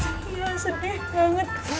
iya sedih banget